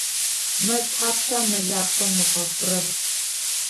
Мэл тхьапша мэлахъом ыгъэхъурэр?